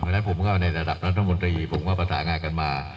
อย่างนั้นผมก็ในฐานะรัฐมนตรีผมว่าประสานงานกันมา